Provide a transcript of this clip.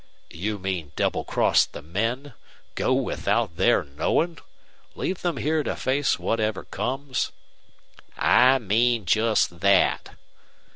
"You mean double cross the men? Go without their knowing? Leave them here to face whatever comes?" "I mean just that."